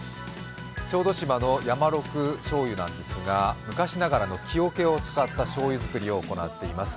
小豆島の醤油なんですが昔ながらの木おけを使ったしょうゆづくりを行っています。